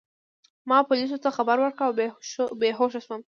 ما پولیسو ته خبر ورکړ او بې هوښه شوم.